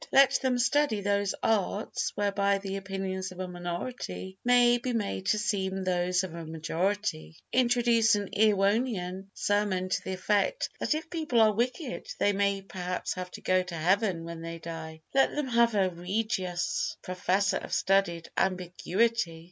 Let them study those arts whereby the opinions of a minority may be made to seem those of a majority. Introduce an Erewhonian sermon to the effect that if people are wicked they may perhaps have to go to heaven when they die. Let them have a Regius Professor of Studied Ambiguity.